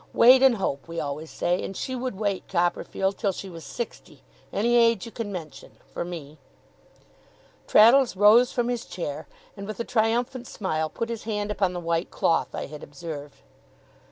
"Wait and hope," we always say. And she would wait, Copperfield, till she was sixty any age you can mention for me!' Traddles rose from his chair, and, with a triumphant smile, put his hand upon the white cloth I had observed.